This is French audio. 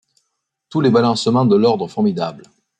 Tous les balancements de l’ordre formidable